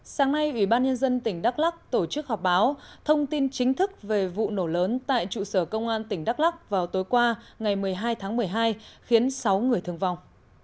sáng nay ủy ban nhân dân tỉnh đắk lắc tổ chức họp báo thông tin chính thức về vụ nổ lớn tại trụ sở công an tỉnh đắk lắc vào tối qua ngày một mươi hai tháng một mươi hai khiến sáu người thương vong